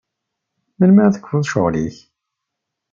Melmi ara tekfuḍ ccɣel-ik?